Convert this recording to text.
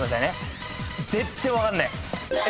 全然分かんねえ。